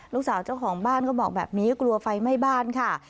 เจ้าของบ้านก็บอกแบบนี้กลัวไฟไหม้บ้านค่ะ